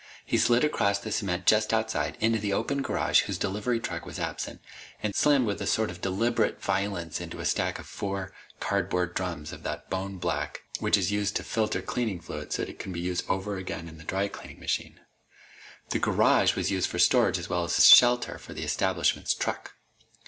He slid across the cement just outside, into the open garage whose delivery truck was absent, and slammed with a sort of deliberate violence into a stack of four cardboard drums of that bone black which is used to filter cleaning fluid so it can be used over again in the dry cleaning machine. The garage was used for storage as well as shelter for the establishment's truck.